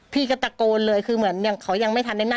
พี่ก็ตะโกนเลยคือเหมือนอย่างเขายังไม่ทันได้นั่น